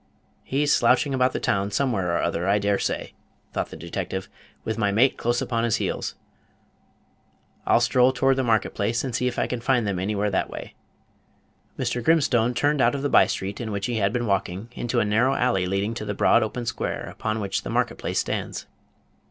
"He's slouching about the town somewhere or other, I dare say," thought the detective, "with my mate close upon his heels. I'll stroll toward the market place, and see if I can find them anywhere that way." Mr. Grimstone turned out of the by street in which he had been walking into a narrow alley leading to the broad open square upon which the market place stands.